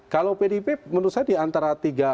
kalau pdip menurut saya di antara tiga